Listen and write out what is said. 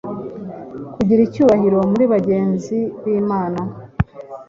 Kugira icyubahiro muri bagenzi bimana